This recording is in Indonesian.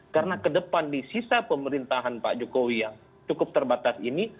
karena kedepan di sisa pemerintahan pak jokowi yang cukup terbatas ini